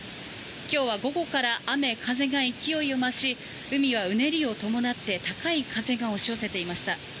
今日は午後から雨風が勢いを増し海はうねりを伴って高い風が押し寄せていました。